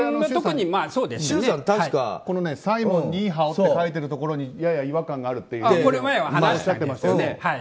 サイモン、ニーハオって書いてるところにやや違和感があるっておっしゃってましたよね。